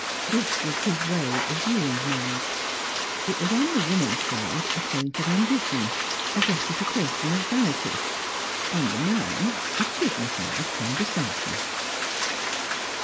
This was his way of viewing marriage; it was on the woman's side a point of ambition, a gratification of vanity; on the man a dignified condescension.